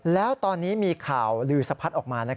แล้วตอนนี้มีข่าวลือสะพัดออกมา